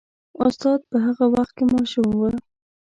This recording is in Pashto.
استاد په هغه وخت کې ماشوم و.